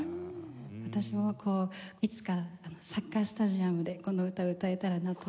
私もいつかサッカースタジアムでこの歌歌えたらなと。